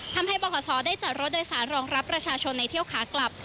ทำให้บขศได้จัดรถโดยสารรองรับประชาชนในเที่ยวขากลับ